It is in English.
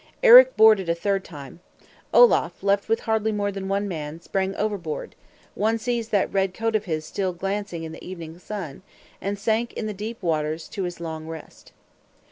Eric boarded a third time. Olaf, left with hardly more than one man, sprang overboard (one sees that red coat of his still glancing in the evening sun), and sank in the deep waters to his long rest.